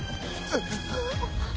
あっ。